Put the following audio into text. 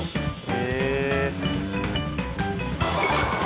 へえ。